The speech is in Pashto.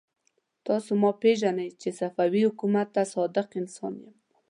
تاسو ما پېژنئ چې صفوي حکومت ته صادق انسان يم.